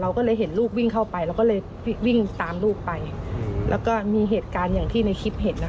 ก็เลยเห็นลูกวิ่งเข้าไปเราก็เลยวิ่งตามลูกไปแล้วก็มีเหตุการณ์อย่างที่ในคลิปเห็นนะคะ